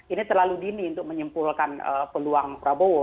ini terlalu dini untuk menyimpulkan peluang prabowo